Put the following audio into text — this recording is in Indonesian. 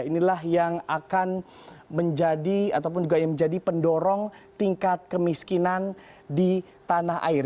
inilah yang akan menjadi ataupun juga yang menjadi pendorong tingkat kemiskinan di tanah air